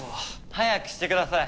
早くしてください。